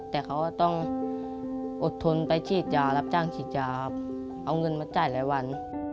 แต่เขาก็ต้องอดทนไปฉีดยารับจ้างฉีดยาครับเอาเงินมาจ่ายหลายวัน